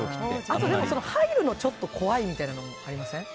あと、入るのがちょっと怖いみたいなのもありません？